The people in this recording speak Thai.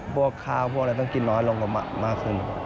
ปรับเหมือน